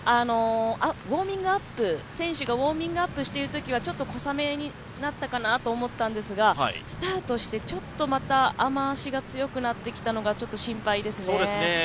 ただ、選手がウォーミングアップしているときはちょっと小雨になったかなと思ったんですがスタートして、ちょっと雨足が強くなってきたのが心配ですね。